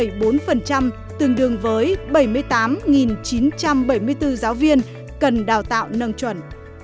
giáo viên tiểu học cơ sở có trình độ đại học trở lên chiếm bảy mươi tám chín trăm bảy mươi bốn giáo viên cần đào tạo nâng trần